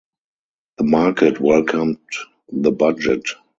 The market welcomed the budget.